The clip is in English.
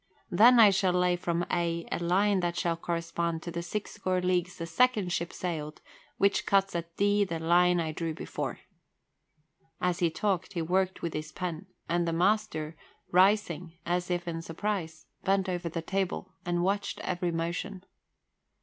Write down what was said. Then I shall lay from A a line that shall correspond to the six score leagues the second ship sailed, which cuts at D the line I drew before." As he talked, he worked with his pen, and the master, rising as if in surprise, bent over the table and watched every motion.